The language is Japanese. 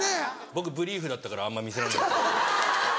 僕ブリーフだったからあんま見せれなかったです。